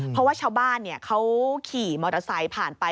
เพราะว่าชาวบ้านเขาขี่มอเตอร์ไซค์ผ่านไป